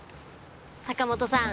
坂本さん